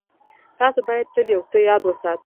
تاسې بايد تل يو څه ياد وساتئ.